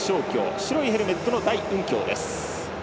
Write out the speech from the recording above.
白いヘルメットの代雲強です。